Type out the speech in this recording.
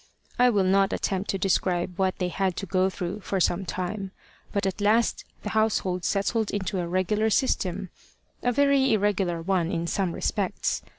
I will not attempt to describe what they had to go through for some time. But at last the household settled into a regular system a very irregular one in some respects.